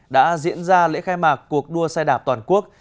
đã diễn ra lễ khai mạc cuộc đua xe đạp toàn quốc